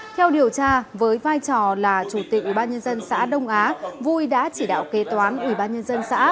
theo điều tra với vai trò là chủ tịch ubnd xã đông á vui đã chỉ đạo kế toán ubnd xã